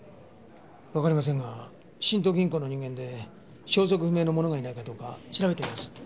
わかりませんが新都銀行の人間で消息不明の者がいないかどうか調べてみます。